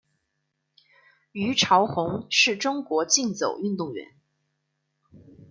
虞朝鸿是中国竞走运动员。